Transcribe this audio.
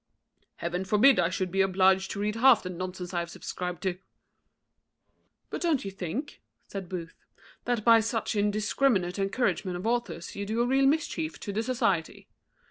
"Heaven forbid I should be obliged to read half the nonsense I have subscribed to." "But don't you think," said Booth, "that by such indiscriminate encouragement of authors you do a real mischief to the society?